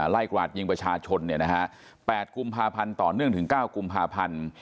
กราดยิงประชาชน๘กุมภาพันธ์ต่อเนื่องถึง๙กุมภาพันธ์